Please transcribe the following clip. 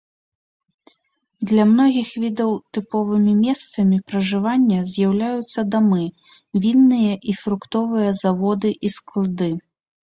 Для многіх відаў тыповымі месцамі пражывання з'яўляюцца дамы, вінныя і фруктовыя заводы і склады.